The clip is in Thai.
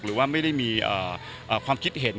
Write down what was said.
หรือว่าไม่ได้มีความคิดเห็น